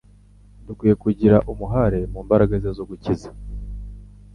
dukwiye kugira muhare mu mbaraga ze zo gukiza.